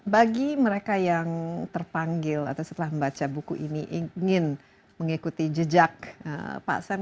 bagi mereka yang terpanggil atau setelah membaca buku ini ingin mengikuti jejak pak sam